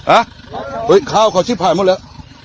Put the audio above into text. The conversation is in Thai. อ่ะเฮ้ยข้าวเขาชิบหายหมดแล้ว